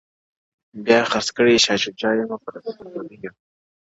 بیا خرڅ کړئ شاه شجاع یم پر پردیو؛